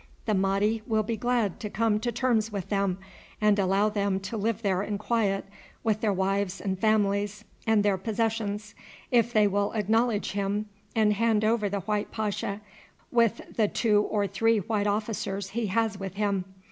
The Mahdi will be glad to come to terms with them and allow them to live there in quiet with their wives and families and their possessions, if they will acknowledge him and hand over the white pasha with the two or three white officers he has with him.